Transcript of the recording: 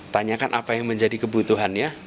tanyakan apa yang menjadi kebutuhannya